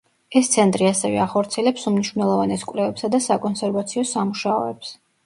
ეს ცენტრი ასევე ახორციელებს უმნიშვნელოვანეს კვლევებსა და საკონსერვაციო სამუშაოებს.